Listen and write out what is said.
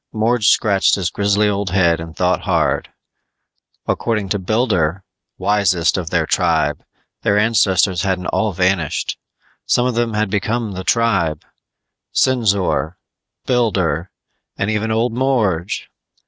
Morge scratched his grizzly old head and thought hard. According to Builder, wisest of their tribe, their ancestors hadn't all vanished; some of them had become the tribe Sinzor, Builder, and even old Morge.